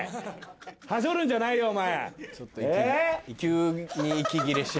はしょるんじゃないよお前。